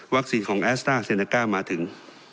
วัคซีนของแอสต้าเซนเนก้ามาถึง